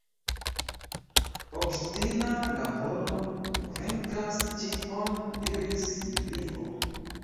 Obstina laboro venkas ĉion, diris Julio.